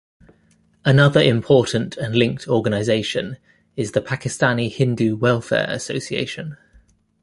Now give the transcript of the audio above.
Another important and linked organization is the "Pakistani Hindu Welfare Association".